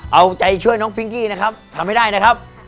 เอาใจช่วยน้องฟิงกี้นะครับทำให้ได้นะครับ